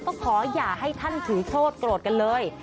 ก็ขออย่าให้ท่านถือโทษโกรธกันเลย